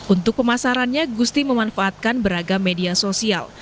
untuk pemasarannya gusti memanfaatkan beragam media sosial